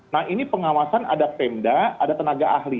nah ini pengawasan ada pemda ada tenaga ahli